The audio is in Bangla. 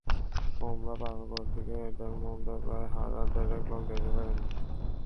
ওমরাহ পালন করতে গিয়ে এঁদের মধ্যে প্রায় হাজার দেড়েক লোক দেশে ফেরেননি।